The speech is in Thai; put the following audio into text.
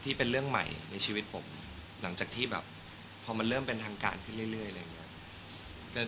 เป็นเรื่องใหม่ในชีวิตผมหลังจากที่แบบพอมันเริ่มเป็นทางการขึ้นเรื่อยอะไรอย่างนี้